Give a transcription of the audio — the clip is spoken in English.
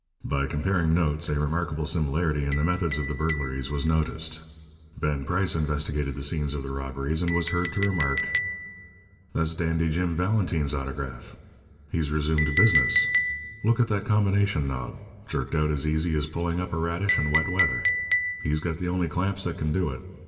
By comparing notes, a remarkable similarity in the methods of the burglaries was noticed. Ben Price investigated the scenes of the robberies, and was heard to remark: "That's Dandy Jim Valentine's autograph. He's resumed business. Look at that combination knob jerked out as easy as pulling up a radish in wet weather. He's got the only clamps that can do it.